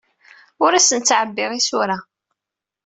Ur asent-d-ttɛebbiɣ isura.